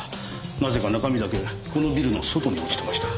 なぜか中身だけこのビルの外に落ちてました。